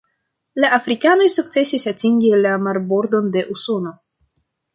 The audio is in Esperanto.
La afrikanoj sukcesis atingi la marbordon de Usono.